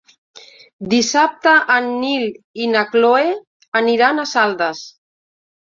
Dissabte en Nil i na Cloè aniran a Saldes.